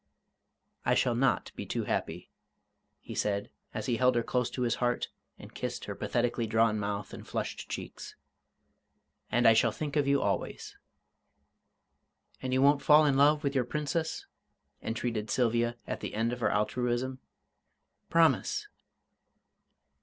"I shall not be too happy," he said, as he held her close to his heart and kissed her pathetically drawn mouth and flushed cheeks. "And I shall think of you always." "And you won't fall in love with your Princess?" entreated Sylvia, at the end of her altruism. "Promise!"